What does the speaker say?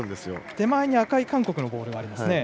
手前に赤い韓国のボールがありますね。